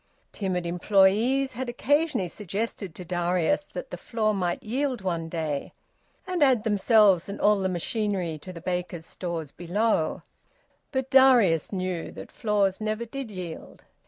Timid employes had occasionally suggested to Darius that the floor might yield one day and add themselves and all the machinery to the baker's stores below; but Darius knew that floors never did yield.